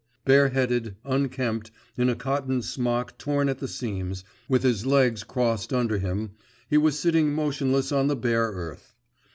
Bareheaded, unkempt, in a cotton smock torn at the seams, with his legs crossed under him, he was sitting motionless on the bare earth.